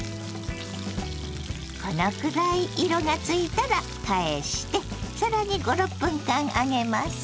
このくらい色がついたら返して更に５６分間揚げます。